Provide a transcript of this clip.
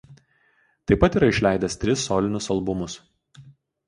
Taip pat yra išleidęs tris solinius albumus.